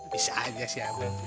bisa aja si abel